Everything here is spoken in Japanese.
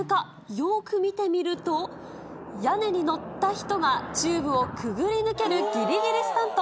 よく見てみると、屋根に乗った人がチューブをくぐり抜けるぎりぎりスタント。